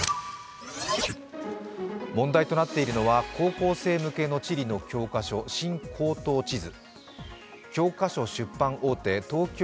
問題となっているのは高校生向けの地理の教科書「新高等地図」。